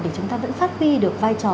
để chúng ta vẫn phát huy được vai trò